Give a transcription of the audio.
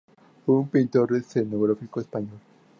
Fue un pintor y escenógrafo español.